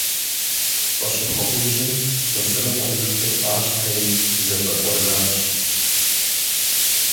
Къыщыхуэгубжьым, Сосрыкъуэ и шыр къащтэри зэщӏэкӏуэжащ.